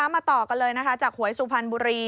มาต่อกันเลยนะคะจากหวยสุพรรณบุรี